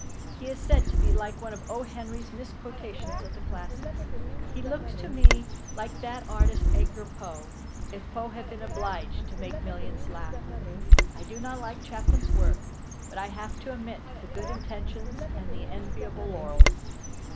He is said to be like one of O. Henry's misquotations of the classics. He looks to me like that artist Edgar Poe, if Poe had been obliged to make millions laugh. I do not like Chaplin's work, but I have to admit the good intentions and the enviable laurels.